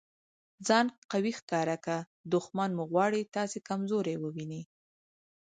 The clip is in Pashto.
ځان قوي ښکاره که! دوښمن مو غواړي تاسي کمزوری وویني.